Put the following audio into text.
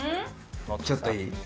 ちょっといい？